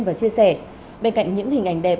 và chia sẻ bên cạnh những hình ảnh đẹp